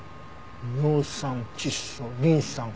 「尿酸窒素リン酸石灰」。